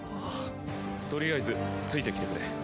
とりあえずついてきてくれ。